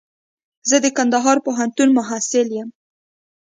زه د کندهار پوهنتون محصل يم.